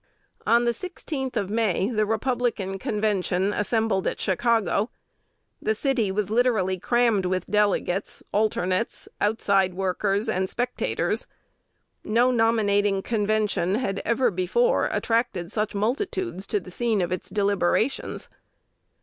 On the 16th of May, the Republican Convention assembled at Chicago. The city was literally crammed with delegates, alternates, "outside workers," and spectators. No nominating convention had ever before attracted such multitudes to the scene of its deliberations.